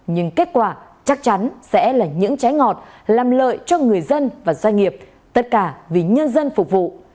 nhưng kết quả chắc chắn sẽ là những trái ngọt làm lợi cho người dân và doanh nghiệp tất cả vì nhân dân phục vụ